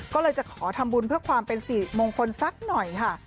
ก็เลยจะขอทำบุญเพื่อความเป็นสิริมงคลสักหน่อยค่ะ